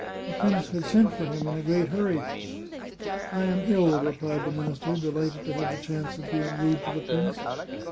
The prince had sent for him in a great hurry. " I am ill," replied the minister, delighted to have the chance of being rude to the prince.